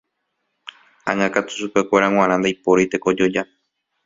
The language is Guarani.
Ág̃a katu chupekuéra g̃uarã ndaipóri tekojoja.